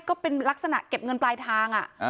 ก็เป็นลักษณะเก็บเงินปลายทาง